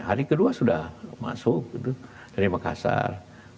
hari kedua sudah masuk dari makassar